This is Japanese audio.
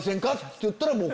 っていったら。